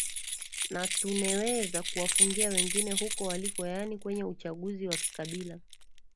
na tuneweza kuwafungia wengine huko waliko yaani kwenye uchaguzi wa kikabila